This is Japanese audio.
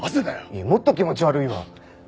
いやもっと気持ち悪いわ！